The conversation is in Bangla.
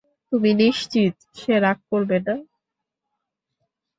তুমি নিশ্চিত সে রাগ করবে না?